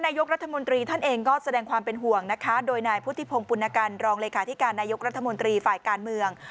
นายกรัฐมนตรีท่านเองก็แสดงความเป็นห่วงนะคะโดยนายพุทธิพงศ์ปุณกันรองเลขาธิการนายกรัฐมนตรีฝ่ายการเมือง